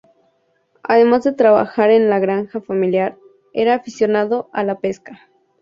Además de trabajar en la granja familiar, era aficionado a la pesca.